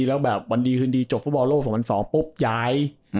แล้วแบบวันดีคืนดีจบฟุตบอลโลก๒๐๐๒ปุ๊บย้าย